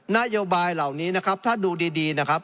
นโยบายเหล่านี้นะครับถ้าดูดีนะครับ